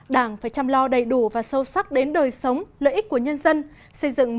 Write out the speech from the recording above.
đảng phải chăm lo đầy đủ và sâu sắc đến đời sống lợi ích của nhân dân